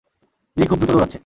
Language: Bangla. লি খুব দ্রুত দৌড়াচ্ছে!